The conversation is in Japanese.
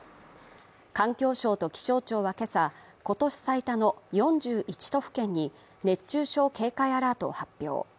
環境省と気象庁は今朝今年最多の４１都府県に、熱中症警戒アラートを発表。